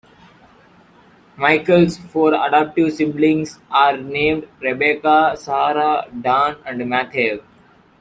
Michael's four adoptive siblings are named Rebecca, Sara, Dan, and Matthew.